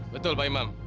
betul pak imam